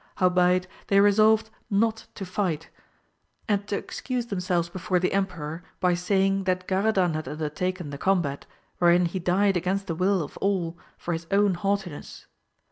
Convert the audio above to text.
Howbeit they resolved not to fight, 250 AMADIS OF GAUL. and to excuse themselves before the emperor by saying that Garadan had undertaken the combat, wherein he died against the will of all, for his own haughtiness.